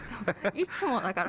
いつもだから。